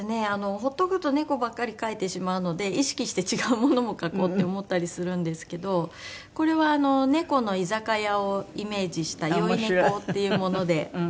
ほっとくと猫ばっかり描いてしまうので意識して違うものも描こうって思ったりするんですけどこれは猫の居酒屋をイメージした『酔猫』っていうもので。